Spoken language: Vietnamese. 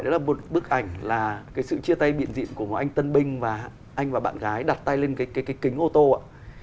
đó là một bức ảnh là cái sự chia tay biện diện của một anh tân binh và anh và bạn gái đặt tay lên cái kính ô tô ạ